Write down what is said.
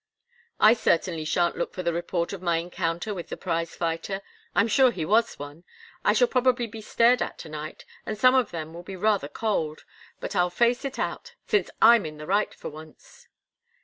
"I certainly shan't look for the report of my encounter with the prize fighter. I'm sure he was one. I shall probably be stared at to night, and some of them will be rather cold. But I'll face it out since I'm in the right for once."